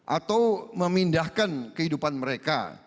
atau memindahkan kehidupan mereka